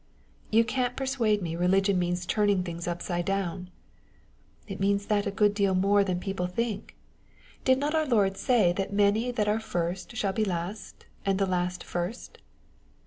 "You can't persuade me religion means turning things upside down." "It means that a good deal more than people think. Did not our Lord say that many that are first shall be last, and the last first?"